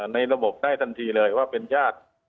ในระบบได้ทันทีเลยว่าเป็นญาติ